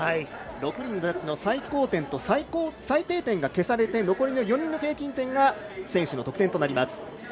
６人のジャッジの最高点と最低点を消されて、残りの４人の平均点が選手の得点となります。